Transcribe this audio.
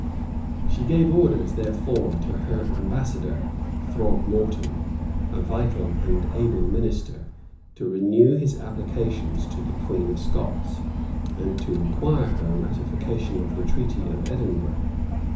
She gave orders, therefore, to her ambassador, Throgmorton, a vigilant and able minister, to renew his applications to the queen of Scots, and to require her ratification of the treaty of Edinburgh.